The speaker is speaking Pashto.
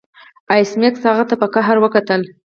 ایس میکس هغه ته په قهر وکتل